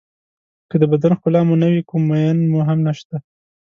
که د بدن ښکلا مو نه وي کوم مېن مو هم نشته.